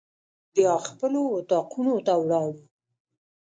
بیا خپلو اطاقونو ته ولاړو.